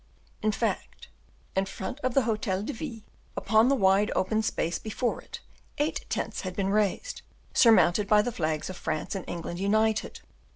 In fact, in front of the Hotel de Ville, upon the wide open space before it, eight tents had been raised, surmounted by the flags of France and England united.